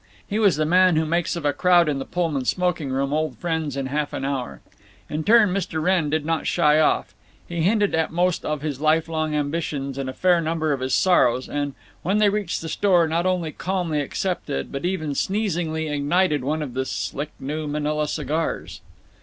He was the man who makes of a crowd in the Pullman smoking room old friends in half an hour. In turn, Mr. Wrenn did not shy off; he hinted at most of his lifelong ambitions and a fair number of his sorrows and, when they reached the store, not only calmly accepted, but even sneezingly ignited one of the "slick new Manila cigars."